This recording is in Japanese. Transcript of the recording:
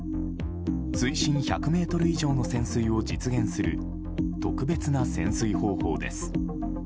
水深１００ｍ以上の潜水を実現する特別な潜水方法です。